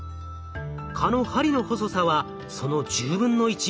蚊の針の細さはその１０分の１。